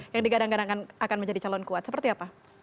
yang digadang gadang akan menjadi calon kuat seperti apa